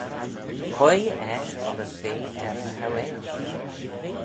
Quoi eisht oddys ve er ny hauail?